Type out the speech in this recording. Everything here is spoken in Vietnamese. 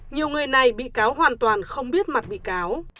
nhiều người này bị cáo hoàn toàn không biết mặt bị cáo